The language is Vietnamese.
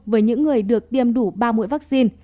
với những người được tiêm đủ ba mũi vaccine